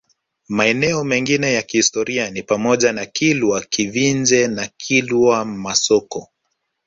Maeneo mengine ya kihistoria ni pamoja na Kilwa Kivinje na Kilwa Masoko